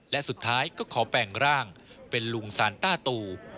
และสุดท้ายก็ขอแปลงร่างเป็นลุงซานต้าตู